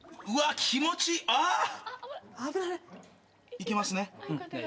いけますね。